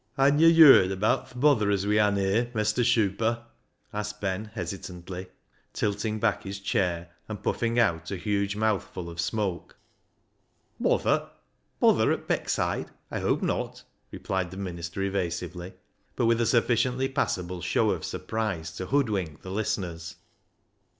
" Han yo' yerd abaat th' bother as we han here, Mestur Shuper," asked Ben hesitantly, tilting back his chair, and puffing out a huge mouthful of smoke. " Bother ? Bother at Beckside ! I hope not," replied the minister evasively, but with a sufficiently passable show of surprise to hood wink the listeners.